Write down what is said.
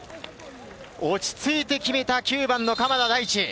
落ち着いて決めた９番の鎌田大地。